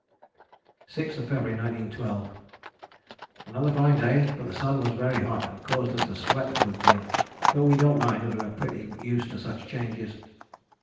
6th February 1912. Another fine day but sun was very hot and caused us to sweat a good deal, but we dont mind as we are pretty used to such changes.